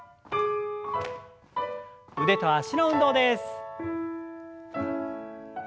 腕と脚の運動です。